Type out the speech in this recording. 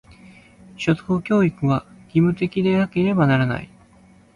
初等教育は、義務的でなければならない。